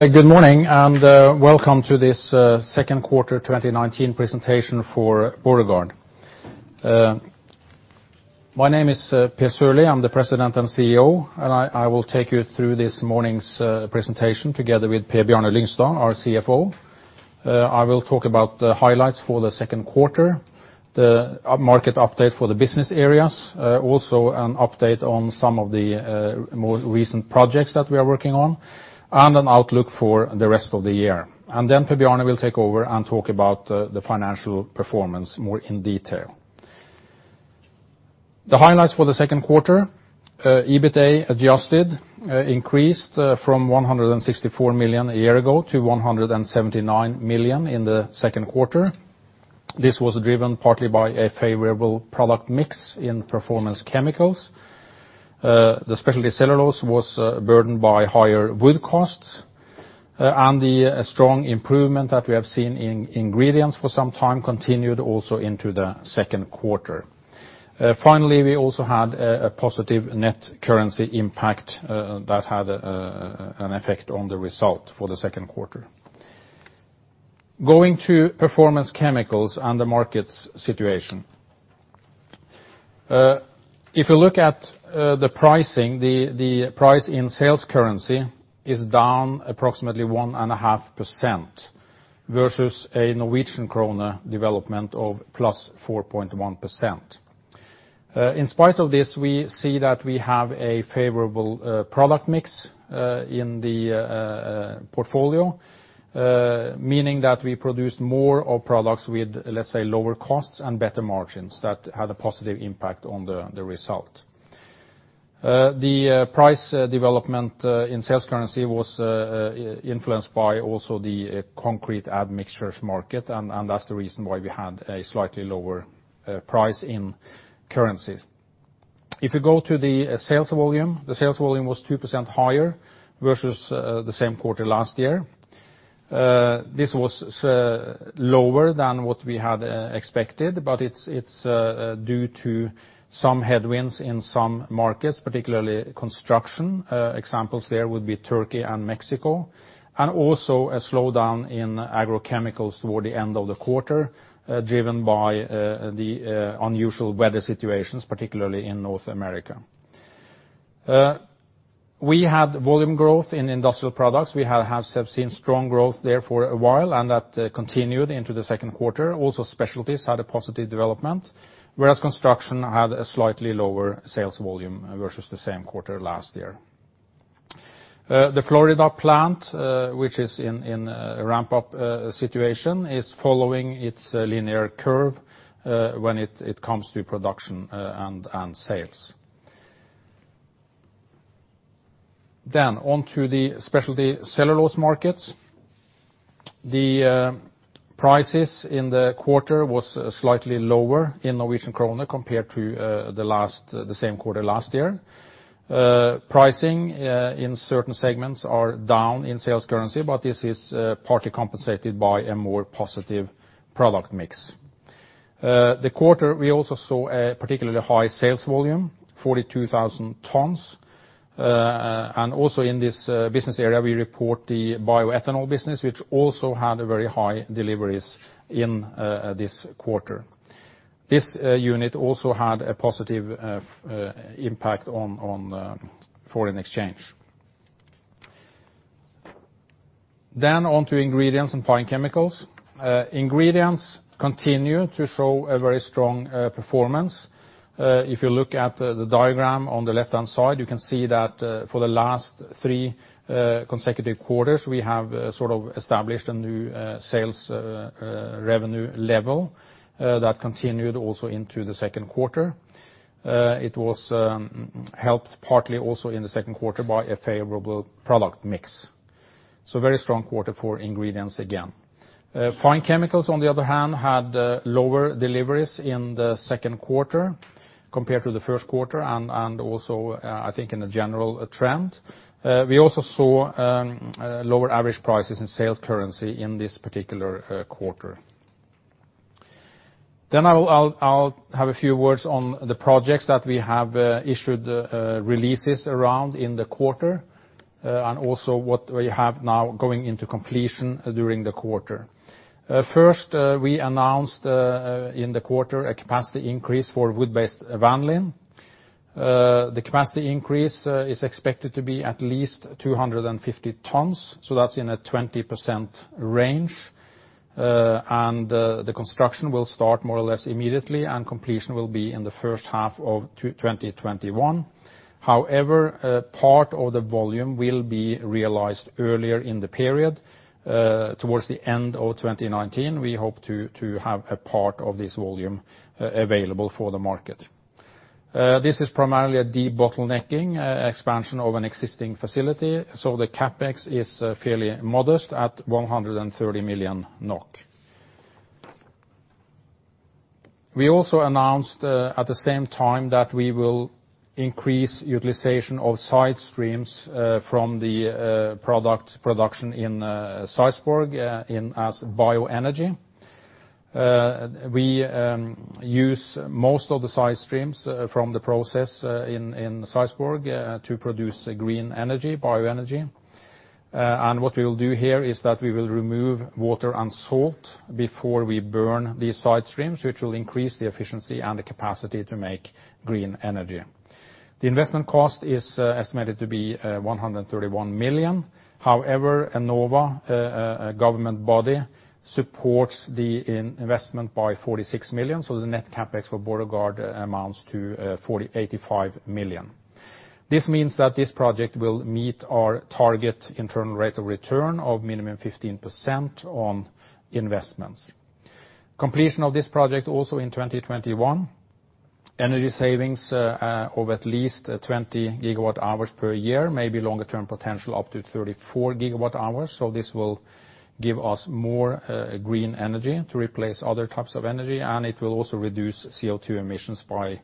Good morning, welcome to this second quarter 2019 presentation for Borregaard. My name is Per A. Sørlie, I'm the President and CEO, and I will take you through this morning's presentation together with Per Bjarne Lyngstad, our CFO. I will talk about the highlights for the second quarter, the market update for the business areas. Also, an update on some of the more recent projects that we are working on, and an outlook for the rest of the year. Then Per Bjarne will take over and talk about the financial performance more in detail. The highlights for the second quarter, EBITDA adjusted increased from 164 million a year ago to 179 million in the second quarter. This was driven partly by a favorable product mix in Performance Chemicals. The Speciality Cellulose was burdened by higher wood costs. Finally, we also had a positive net currency impact that had an effect on the result for the second quarter. Going to Performance Chemicals and the market situation. If you look at the pricing, the price in sales currency is down approximately 1.5% versus a NOK development of +4.1%. In spite of this, we see that we have a favorable product mix in the portfolio, meaning that we produce more of products with, let's say, lower costs and better margins that had a positive impact on the result. The price development in sales currency was influenced by also the concrete admixtures market. That's the reason why we had a slightly lower price in currencies. If you go to the sales volume, the sales volume was 2% higher versus the same quarter last year. This was lower than what we had expected, but it's due to some headwinds in some markets, particularly construction. Examples there would be Turkey and Mexico. Also, a slowdown in agrochemicals toward the end of the quarter, driven by the unusual weather situations, particularly in North America. We had volume growth in industrial products. We have seen strong growth there for a while. That continued into the second quarter. Also, specialties had a positive development, whereas construction had a slightly lower sales volume versus the same quarter last year. The Florida plant, which is in ramp-up situation, is following its linear curve when it comes to production and sales. Then on to the Speciality Cellulose markets. The prices in the quarter was slightly lower in NOK compared to the same quarter last year. Pricing in certain segments are down in sales currency, but this is partly compensated by a more positive product mix. The quarter, we also saw a particularly high sales volume, 42,000 tons. Also, in this business area, we report the bioethanol business, which also had very high deliveries in this quarter. This unit also had a positive impact on foreign exchange. Then on to Ingredients and Fine Chemicals. Ingredients continue to show a very strong performance. If you look at the diagram on the left-hand side, you can see that for the last three consecutive quarters, we have established a new sales revenue level that continued also into the second quarter. It was helped partly also in the second quarter by a favorable product mix. Very strong quarter for Ingredients again. Fine Chemicals, on the other hand, had lower deliveries in the second quarter compared to the first quarter and also, I think in a general trend. We also saw lower average prices in sales currency in this particular quarter. I'll have a few words on the projects that we have issued releases around in the quarter, and also what we have now going into completion during the quarter. First, we announced in the quarter a capacity increase for wood-based vanillin. The capacity increase is expected to be at least 250 tons, so that's in a 20% range. The construction will start more or less immediately, and completion will be in the first half of 2021. However, part of the volume will be realized earlier in the period. Towards the end of 2019, we hope to have a part of this volume available for the market. This is primarily a debottlenecking expansion of an existing facility, so the CapEx is fairly modest at 130 million NOK. We also announced at the same time that we will increase utilization of side streams from the production in Sarpsborg as bioenergy. We use most of the side streams from the process in Sarpsborg to produce green energy, bioenergy. What we will do here is that we will remove water and salt before we burn these side streams, which will increase the efficiency and the capacity to make green energy. The investment cost is estimated to be 131 million. However, Enova, a government body, supports the investment by 46 million, so the net CapEx for Borregaard amounts to 85 million. This means that this project will meet our target internal rate of return of minimum 15% on investments. Completion of this project also in 2021. Energy savings of at least 20 gigawatt hours per year, maybe longer term potential up to 34 gigawatt hours. This will give us more green energy to replace other types of energy, and it will also reduce CO2 emissions by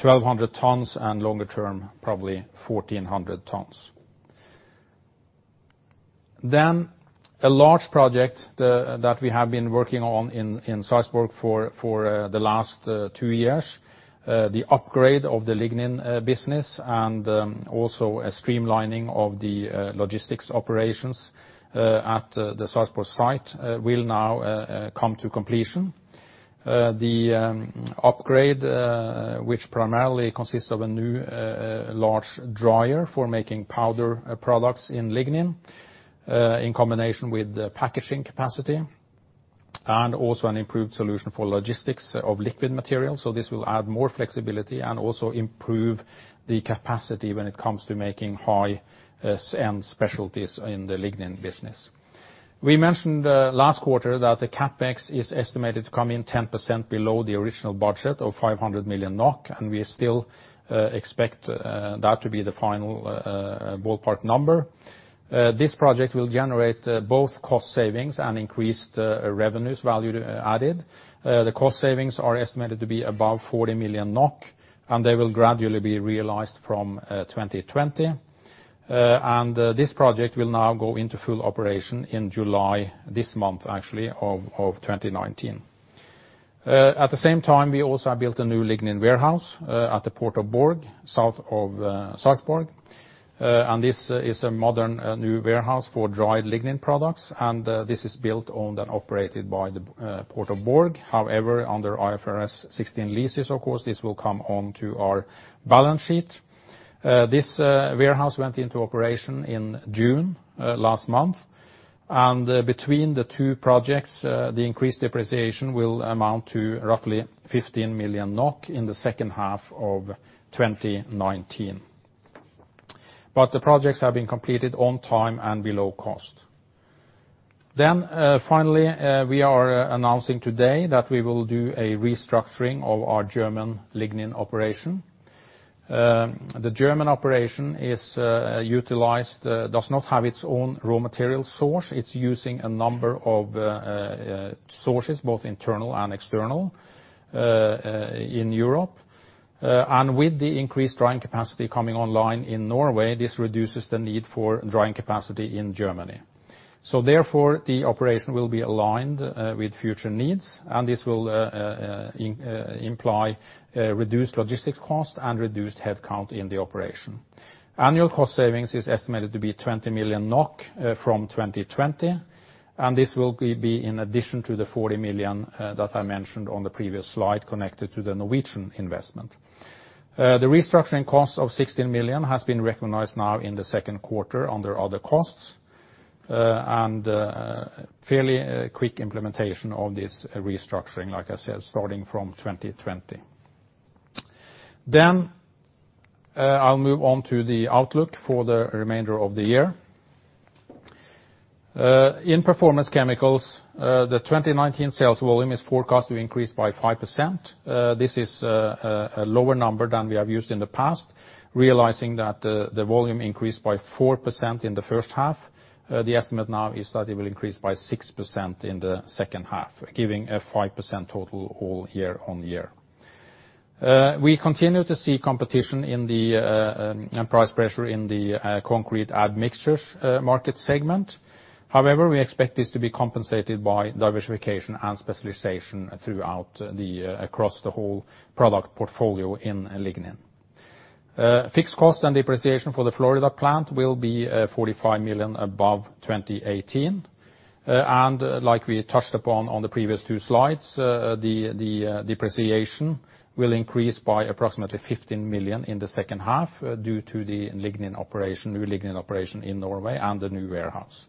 1,200 tons and longer term, probably 1,400 tons. A large project that we have been working on in Sarpsborg for the last two years, the upgrade of the lignin business and also a streamlining of the logistics operations at the Sarpsborg site will now come to completion. The upgrade which primarily consists of a new large dryer for making powder products in lignin, in combination with packaging capacity and also an improved solution for logistics of liquid materials. This will add more flexibility and also improve the capacity when it comes to making high-end specialties in the lignin business. We mentioned last quarter that the CapEx is estimated to come in 10% below the original budget of 500 million NOK, and we still expect that to be the final ballpark number. This project will generate both cost savings and increased revenues value added. The cost savings are estimated to be above 40 million NOK, and they will gradually be realized from 2020. This project will now go into full operation in July, this month actually, of 2019. At the same time, we also have built a new lignin warehouse at the Port of Borg, south of Sarpsborg. This is a modern new warehouse for dried lignin products, and this is built, owned, and operated by the Port of Borg. Under IFRS 16 leases, of course, this will come onto our balance sheet. This warehouse went into operation in June last month, and between the two projects, the increased depreciation will amount to roughly 15 million NOK in the second half of 2019. The projects have been completed on time and below cost. Finally, we are announcing today that we will do a restructuring of our German lignin operation. The German operation does not have its own raw material source. It's using a number of sources, both internal and external in Europe. With the increased drying capacity coming online in Norway, this reduces the need for drying capacity in Germany. Therefore, the operation will be aligned with future needs, and this will imply reduced logistics cost and reduced headcount in the operation. Annual cost savings is estimated to be 20 million NOK from 2020, and this will be in addition to the 40 million that I mentioned on the previous slide connected to the Norwegian investment. The restructuring cost of 16 million has been recognized now in the second quarter under other costs, and fairly quick implementation of this restructuring, like I said, starting from 2020. I'll move on to the outlook for the remainder of the year. In Performance Chemicals, the 2019 sales volume is forecast to increase by 5%. This is a lower number than we have used in the past, realizing that the volume increased by 4% in the first half. The estimate now is that it will increase by 6% in the second half, giving a 5% total all year on year. We continue to see competition and price pressure in the concrete admixtures market segment. We expect this to be compensated by diversification and specialization across the whole product portfolio in lignin. Fixed costs and depreciation for the Florida plant will be 45 million above 2018. Like we touched upon on the previous two slides, the depreciation will increase by approximately 15 million in the second half due to the new lignin operation in Norway and the new warehouse.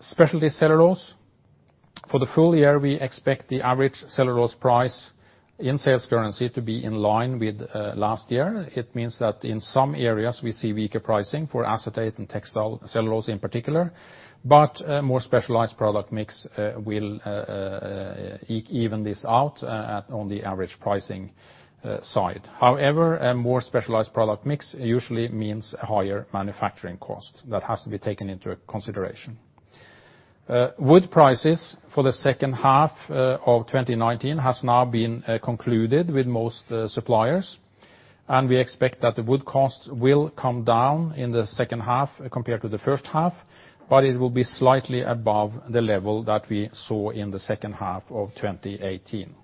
Speciality Cellulose. For the full year, we expect the average cellulose price in sales currency to be in line with last year. It means that in some areas, we see weaker pricing for acetate and textile cellulose in particular, but a more specialized product mix will even this out on the average pricing side. A more specialized product mix usually means higher manufacturing costs. That has to be taken into consideration. Wood prices for the second half of 2019 has now been concluded with most suppliers. We expect that the wood costs will come down in the second half compared to the first half, but it will be slightly above the level that we saw in the second half of 2018.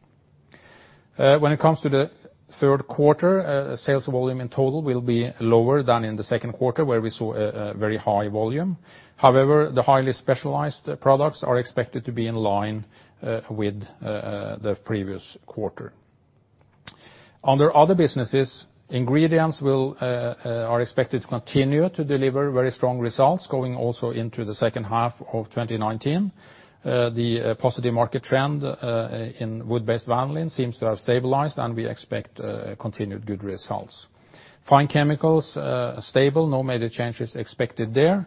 When it comes to the third quarter, sales volume in total will be lower than in the second quarter, where we saw a very high volume. The highly specialized products are expected to be in line with the previous quarter. Under other businesses, Ingredients are expected to continue to deliver very strong results, going also into the second half of 2019. The positive market trend in wood-based vanillin seems to have stabilized, and we expect continued good results. Fine Chemicals, stable. No major changes expected there.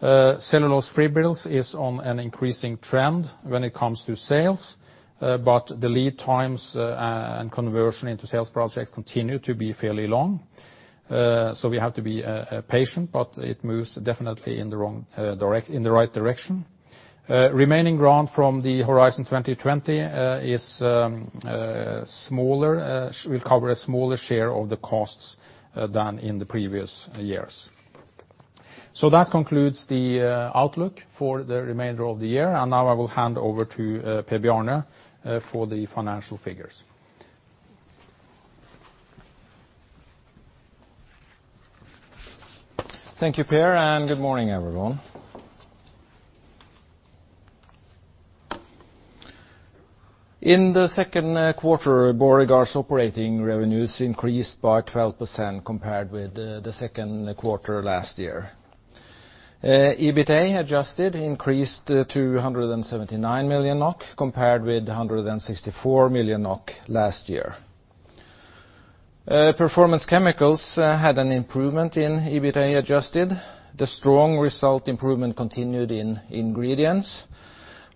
Cellulose fibrils is on an increasing trend when it comes to sales, the lead times and conversion into sales projects continue to be fairly long. We have to be patient, but it moves definitely in the right direction. Remaining grant from the Horizon 2020 will cover a smaller share of the costs than in the previous years. That concludes the outlook for the remainder of the year. Now I will hand over to Per Bjarne for the financial figures. Thank you, Per, and good morning, everyone. In the second quarter, Borregaard's operating revenues increased by 12% compared with the second quarter last year. EBITA adjusted increased to 179 million NOK, compared with 164 million NOK last year. Performance Chemicals had an improvement in EBITA adjusted. The strong result improvement continued in Ingredients,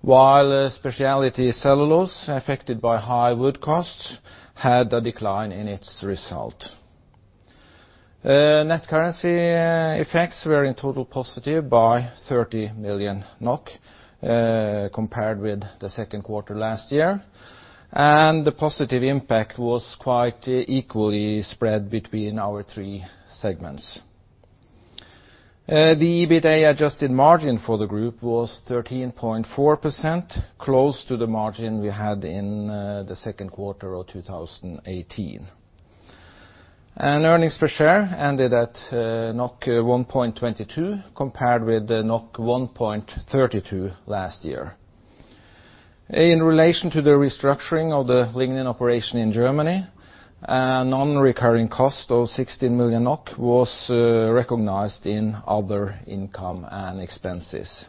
while Speciality Cellulose, affected by high wood costs, had a decline in its result. Net currency effects were, in total, positive by 30 million NOK compared with the second quarter last year, and the positive impact was quite equally spread between our three segments. The EBITA adjusted margin for the group was 13.4%, close to the margin we had in the second quarter of 2018. Earnings per share ended at 1.22, compared with 1.32 last year. In relation to the restructuring of the lignin operation in Germany, a non-recurring cost of 16 million NOK was recognized in other income and expenses.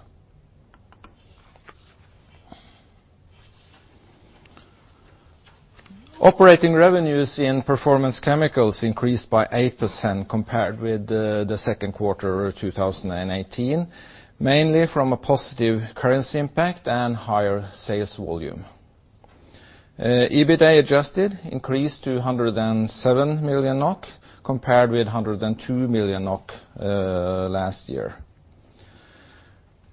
Operating revenues in Performance Chemicals increased by 8% compared with the second quarter of 2018, mainly from a positive currency impact and higher sales volume. EBITA adjusted increased to 107 million NOK, compared with 102 million NOK last year.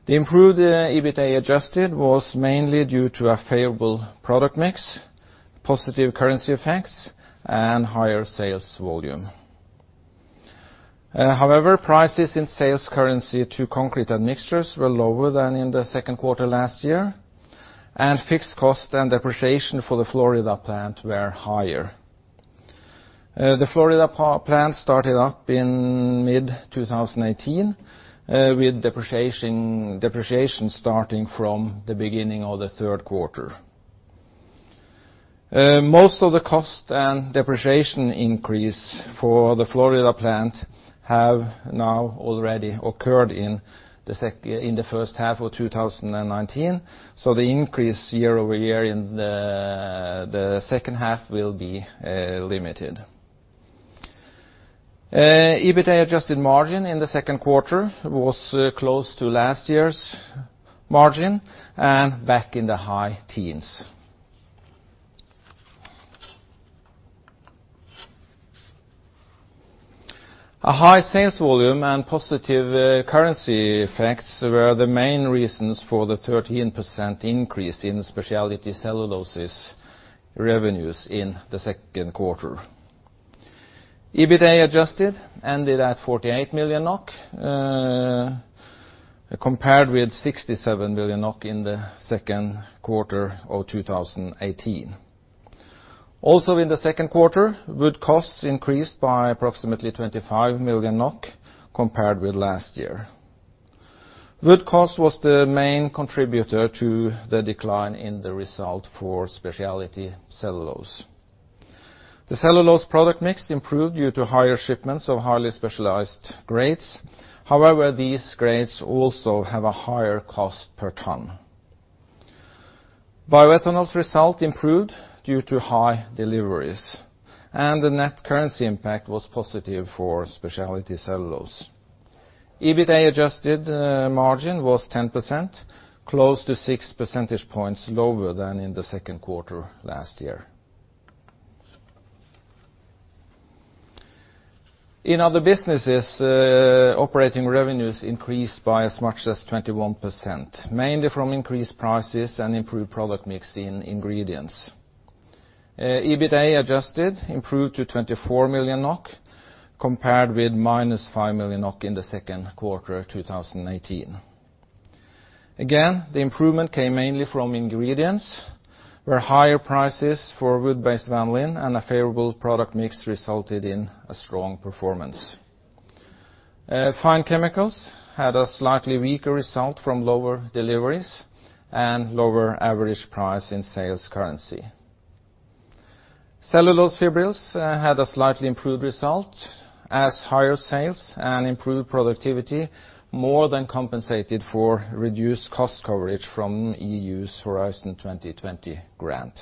The improved EBITA adjusted was mainly due to a favorable product mix, positive currency effects, and higher sales volume. However, prices in sales currency to concrete admixtures were lower than in the second quarter last year, and fixed costs and depreciation for the Florida plant were higher. The Florida plant started up in mid-2018, with depreciation starting from the beginning of the third quarter. Most of the cost and depreciation increase for the Florida plant have now already occurred in the first half of 2019, the increase year-over-year in the second half will be limited. EBITA adjusted margin in the second quarter was close to last year's margin and back in the high teens. A high sales volume and positive currency effects were the main reasons for the 13% increase in Speciality Cellulose's revenues in the second quarter. EBITA adjusted ended at 48 million NOK, compared with 67 million NOK in the second quarter of 2018. In the second quarter, wood costs increased by approximately 25 million NOK compared with last year. Wood cost was the main contributor to the decline in the result for Speciality Cellulose. The cellulose product mix improved due to higher shipments of highly specialized grades. However, these grades also have a higher cost per ton. Bioethanol's result improved due to high deliveries, and the net currency impact was positive for Speciality Cellulose. EBITA-adjusted margin was 10%, close to six percentage points lower than in the second quarter last year. In other businesses, operating revenues increased by as much as 21%, mainly from increased prices and improved product mix in Ingredients. EBITDA adjusted improved to 24 million NOK, compared with minus 5 million NOK in the second quarter 2018. Again, the improvement came mainly from Ingredients, where higher prices for wood-based vanillin and a favorable product mix resulted in a strong performance. Fine Chemicals had a slightly weaker result from lower deliveries and lower average price in sales currency. Cellulose fibrils had a slightly improved result as higher sales and improved productivity more than compensated for reduced cost coverage from EU's Horizon 2020 grant.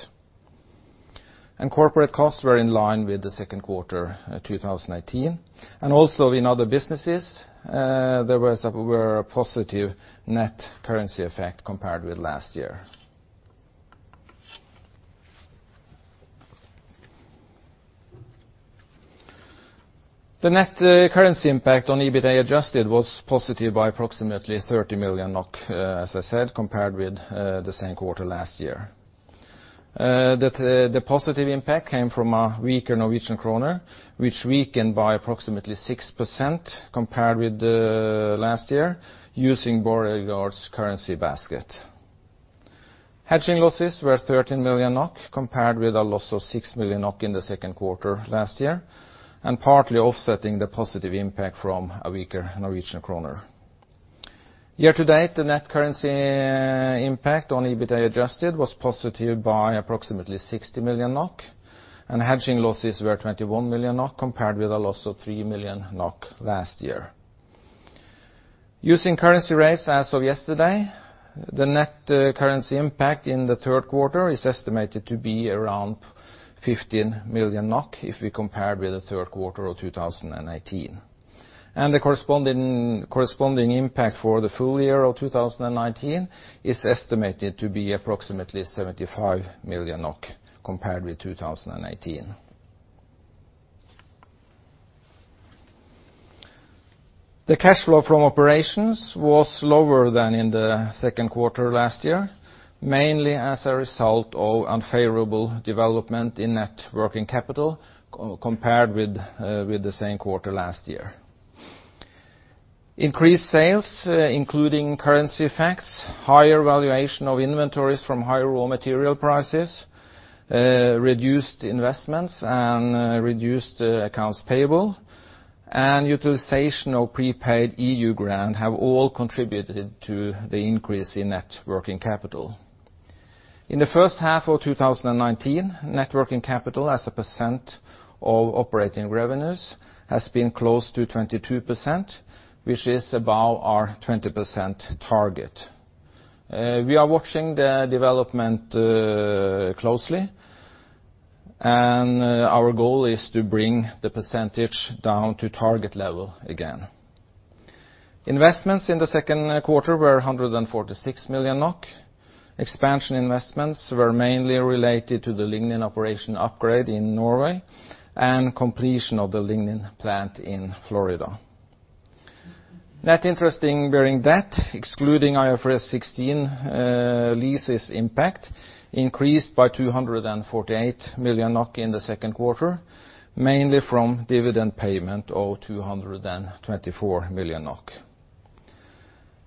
Corporate costs were in line with the second quarter 2018, and also in other businesses, there was a positive net currency effect compared with last year. The net currency impact on EBITDA adjusted was positive by approximately 30 million NOK, as I said, compared with the same quarter last year. The positive impact came from a weaker Norwegian kroner, which weakened by approximately 6% compared with last year using Borregaard's currency basket. Hedging losses were 13 million NOK, compared with a loss of 6 million NOK in the second quarter last year, and partly offsetting the positive impact from a weaker Norwegian kroner. Year-to-date, the net currency impact on EBITDA adjusted was positive by approximately 60 million NOK, and hedging losses were 21 million NOK, compared with a loss of 3 million NOK last year. Using currency rates as of yesterday, the net currency impact in the third quarter is estimated to be around 15 million NOK if we compare with the third quarter of 2018. The corresponding impact for the full year of 2019 is estimated to be approximately 75 million NOK compared with 2018. The cash flow from operations was lower than in the second quarter last year, mainly as a result of unfavorable development in net working capital compared with the same quarter last year. Increased sales, including currency effects, higher valuation of inventories from higher raw material prices, reduced investments, and reduced accounts payable, and utilization of prepaid EU grant have all contributed to the increase in net working capital. In the first half of 2019, net working capital as a percent of operating revenues has been close to 22%, which is above our 20% target. We are watching the development closely, and our goal is to bring the percentage down to target level again. Investments in the second quarter were 146 million NOK. Expansion investments were mainly related to the lignin operation upgrade in Norway and completion of the lignin plant in Florida. Net interest-bearing debt, excluding IFRS 16 leases impact, increased by 248 million NOK in the second quarter, mainly from dividend payment of 224 million NOK.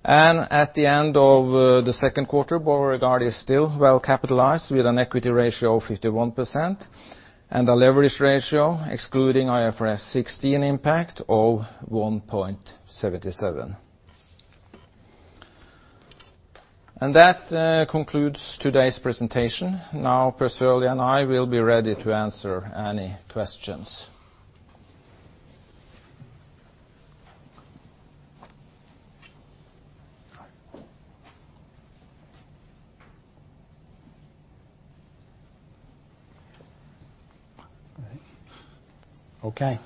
At the end of the second quarter, Borregaard is still well capitalized, with an equity ratio of 51% and a leverage ratio excluding IFRS 16 impact of 1.77. That concludes today's presentation. Now, Per Sørlie and I will be ready to answer any questions. Okay.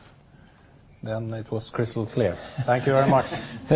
It was crystal clear. Thank you very much.